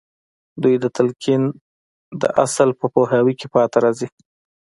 دوی د تلقين د اصل په پوهاوي کې پاتې راځي.